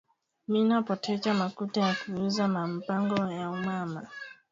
Mina potecha makuta ya ku uza ma mpango ya mama